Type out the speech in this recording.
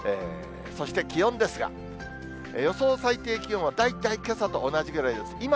そして気温ですが、予想最低気温は大体けさと同じぐらいです。